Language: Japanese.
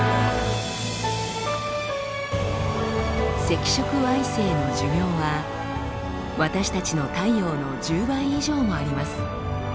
赤色矮星の寿命は私たちの太陽の１０倍以上もあります。